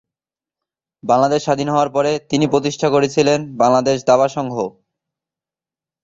বাংলাদেশ স্বাধীন হওয়ার পরে তিনি প্রতিষ্ঠা করেছিলেন বাংলাদেশ দাবা সংঘ।